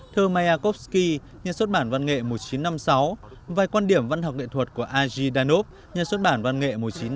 thơ mayakovsky nhà xuất bản văn nghệ một nghìn chín trăm năm mươi sáu vài quan điểm văn học nghệ thuật của a g danov nhà xuất bản văn nghệ một nghìn chín trăm năm mươi một